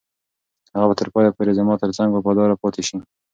هغه به تر پایه پورې زما تر څنګ وفاداره پاتې شي.